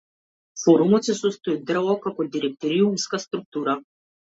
Форумот се состои од дрво како директориумска структура.